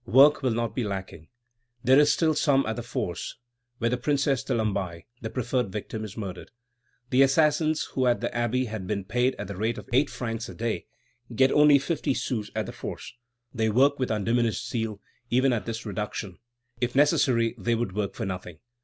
Work will not be lacking. There is still some at the Force, where the Princess de Lamballe, the preferred victim, is murdered. The assassins, who at the Abbey had been paid at the rate of eight francs a day, get only fifty sous at the Force. They work with undiminished zeal, even at this reduction. If necessary, they would work for nothing.